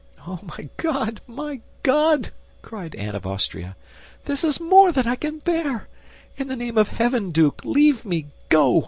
"Oh, my God, my God!" cried Anne of Austria, "this is more than I can bear. In the name of heaven, Duke, leave me, go!